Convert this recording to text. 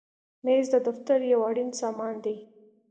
مېز د دفتر یو اړین سامان دی.